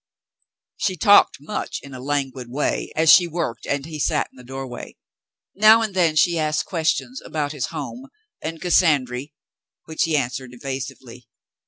She talked much, in a languid way, as she worked, and he sat in the doorway. Now and then she asked questions about his home and *'Cassandry," which he answered evasively.